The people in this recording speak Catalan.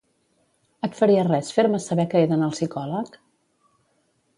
Et faria res fer-me saber que he d'anar al psicòleg?